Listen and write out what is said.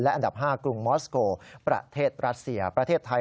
อันดับ๕กรุงมอสโกประเทศรัสเซียประเทศไทย